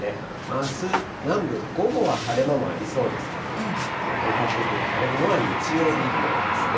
あす、南部、午後は晴れ間もありますけれども、本格的に晴れるのは日曜日以降ですね。